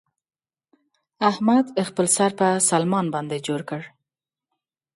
احمد خپل سر په سلمان باندې جوړ کړ.